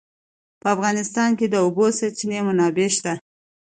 په افغانستان کې د د اوبو سرچینې منابع شته.